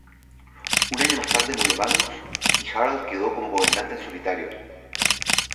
Un año más tarde murió Magnus y Harald quedó como gobernante en solitario.